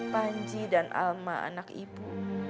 panji dan alma anak ibu